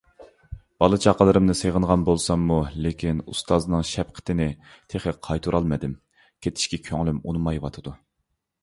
بالا - چاقىلىرىمنى سېغىنغان بولساممۇ، لېكىن ئۇستازنىڭ شەپقىتىنى تېخى قايتۇرالمىدىم. كېتىشكە كۆڭلۈم ئۇنىمايۋاتىدۇ.